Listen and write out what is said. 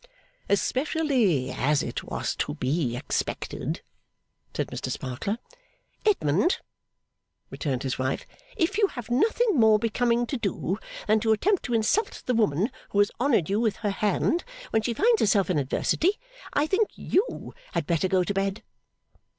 'Especially as it was to be expected,' said Mr Sparkler. 'Edmund,' returned his wife, 'if you have nothing more becoming to do than to attempt to insult the woman who has honoured you with her hand, when she finds herself in adversity, I think you had better go to bed!